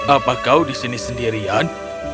apa kau di sini sendirian